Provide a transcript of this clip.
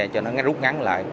cho nó rút ngắn lại